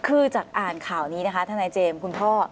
คือจากอ่านข่าวนี้นะคะทนายเจมส์คุณพ่อ